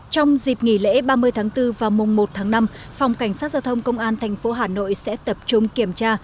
trong dịp nghỉ lễ ba mươi tháng bốn và mùa một tháng năm phòng cảnh sát giao thông công an thành phố hà nội sẽ tập trung kiểm tra